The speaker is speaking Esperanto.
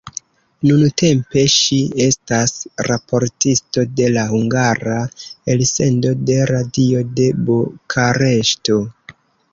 Nuntempe ŝi estas raportisto de la hungara elsendo de radio de Bukareŝto.